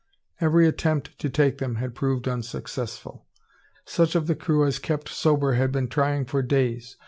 Every attempt to take them had proved unsuccessful. Such of the crew as kept sober had been trying for days.